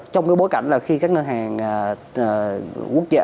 trong cái bối cảnh là khi các ngân hàng